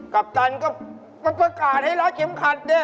กัปตันก็ประกาศให้ละเข็มขัดเนี่ย